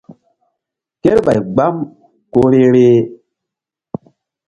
Kerɓay gbam ku vbe-vbeh.